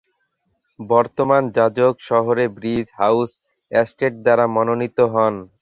বর্তমান যাজক শহরের ব্রিজ হাউস এস্টেট দ্বারা মনোনীত হন।